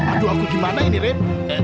aduh aku gimana ini rep